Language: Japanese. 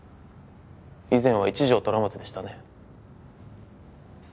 以前は一条虎松でしたね。